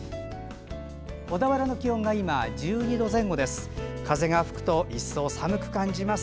小田原の気温が今、１２度前後です。